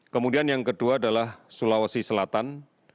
kemudian yang kedua adalah sulawesi selatan